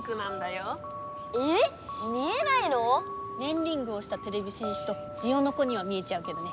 ⁉見えないの⁉ねんリングをしたてれび戦士とジオノコには見えちゃうけどね。